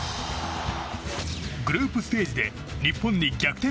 グループステージで日本に逆転